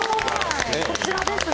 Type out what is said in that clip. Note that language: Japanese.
こちらですね。